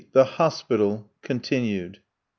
THE HOSPITAL (continued).